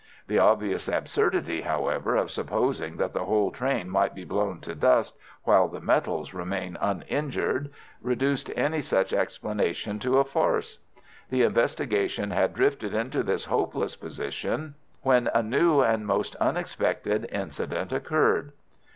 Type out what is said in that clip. The obvious absurdity, however, of supposing that the whole train might be blown to dust while the metals remained uninjured reduced any such explanation to a farce. The investigation had drifted into this hopeless position when a new and most unexpected incident occurred.